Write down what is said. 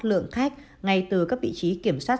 lượng khách ngay từ các vị trí kiểm soát